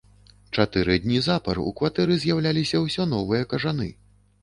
Чатыры дні запар у кватэры з'яўляліся ўсё новыя кажаны.